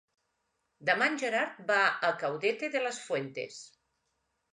Demà en Gerard va a Caudete de las Fuentes.